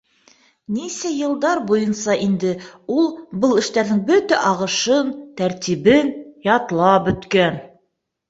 Нисә йылдар буйынса инде ул был эштәрҙең бөтә ағышын, тәртибен ятлап бөткән.